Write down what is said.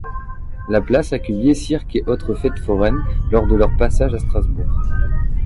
La place accueillait cirques et autres fêtes foraines lors de leurs passages à Strasbourg.